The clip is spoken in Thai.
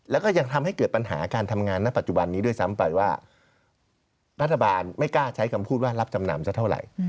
แล้วก็ยังทำให้เกิดปัญหาการทำงานณปัจจุบันนี้ด้วยซ้ำไปว่ารัฐบาลไม่กล้าใช้คำพูดว่ารับจำนำซะเท่าไหร่